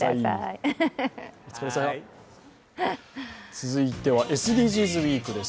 続いては、ＳＤＧｓウイークです。